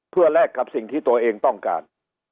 เพื่อแลกกับสิ่งที่ตัวเองต้องการ